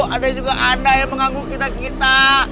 ada juga anda yang mengangguk kita kita